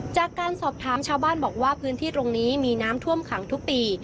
จากการสอบถามชาวบ้านบอกว่าพื้นที่ตรงนี้มีน้ำท่วมขังทุกปี